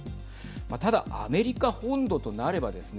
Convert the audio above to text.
ただアメリカ本土となればですね